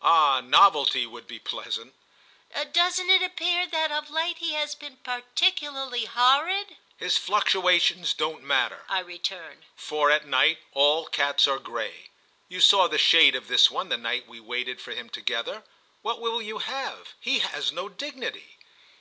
Ah novelty would be pleasant!" "Doesn't it appear that of late he has been particularly horrid?" "His fluctuations don't matter", I returned, "for at night all cats are grey. You saw the shade of this one the night we waited for him together. What will you have? He has no dignity."